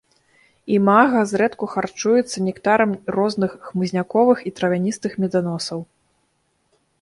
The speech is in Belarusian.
Імага зрэдку харчуюцца нектарам розных хмызняковых і травяністых меданосаў.